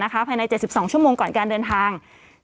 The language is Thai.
ภายใน๗๒ชั่วโมงก่อนการเดินทาง